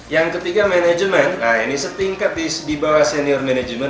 yang ketiga manajemen nah ini setingkat di bawah senior management